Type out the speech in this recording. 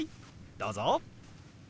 どうぞ。